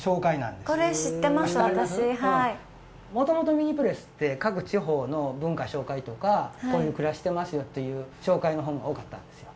もともとミニプレスって各地方の文化紹介とかこういうふうに暮らしてますよっていう紹介の本が多かったんですよ。